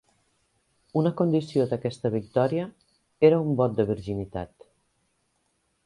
Una condició d'aquesta victòria era un vot de virginitat.